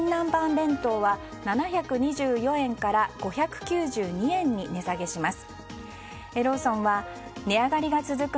弁当は７２４円から５９２円に値下げします。